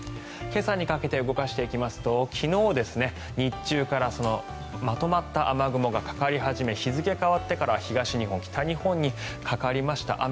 今朝にかけて動かしていきますと昨日、日中からまとまった雨雲がかかり始め日付が変わってから東日本、北日本にかかりました。